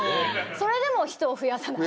それでも人を増やさない。